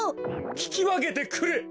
ききわけてくれ！